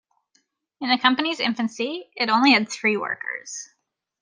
In the company's infancy, it only had three workers.